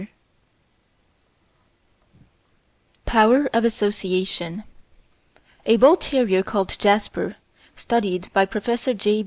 ] Power of Association A bull terrier called Jasper, studied by Prof. J.